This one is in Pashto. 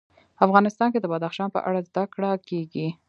افغانستان کې د بدخشان په اړه زده کړه کېږي.